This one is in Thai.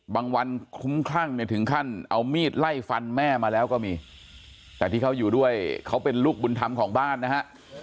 บางวันคลุ้มคลั่งเนี่ยถึงขั้นเอามีดไล่ฟันแม่มาแล้วก็มีแต่ที่เขาอยู่ด้วยเขาเป็นลูกบุญธรรมของบ้านนะฮะ